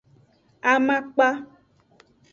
Amakpa.